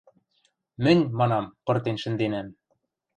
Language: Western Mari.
— Мӹнь, манам, пыртен шӹнденӓм.